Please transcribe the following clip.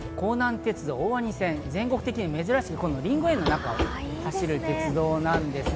鉄道大鰐線、全国でも珍しいりんご園の中を走る鉄道なんですね。